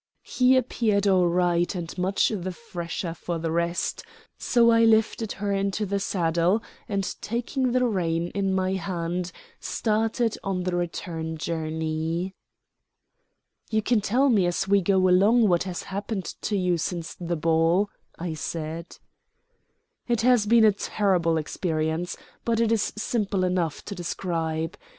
He appeared all right and much the fresher for the rest, so I lifted her into the saddle, and taking the rein in my hand started on the return journey. "You can tell me as we go along what has happened to you since the ball," I said. "It has been a terrible experience, but it is simple enough to describe.